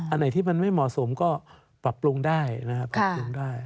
อันไหนที่มันไม่เหมาะสมก็ปรับปรุงได้นะครับ